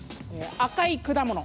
「赤い果物」。